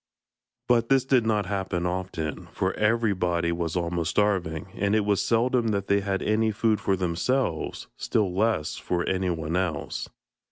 But this did not happen often, for everybody was almost starving, and it was seldom that they had any food for themselves, still less for anyone else.